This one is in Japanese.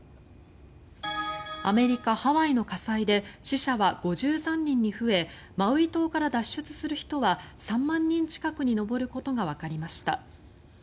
アメリカ・ハワイの火災で死者は５３人に増えマウイ島から脱出する人は３万人近くに上ることがわかりました。